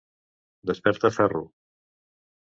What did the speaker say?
Desperta ferro!